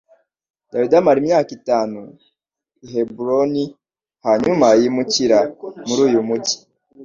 Dawidi amara imyaka itanu i Heburoni, hanyuma yimukira muri uyu mujyi